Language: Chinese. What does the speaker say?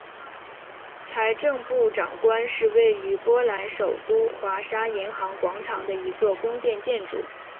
财政部长宫是位于波兰首都华沙银行广场的一座宫殿建筑。